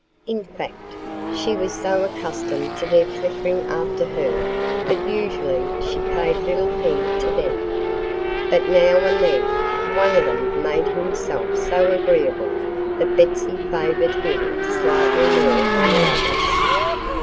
In fact, she was so accustomed to their flittering after her that usually she paid little heed to them. But now and then one of them made himself so agreeable that Betsy favored him slightly more than the others.